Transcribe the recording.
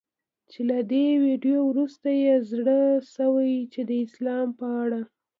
چي له دې ویډیو وروسته یې زړه سوی چي د اسلام په اړه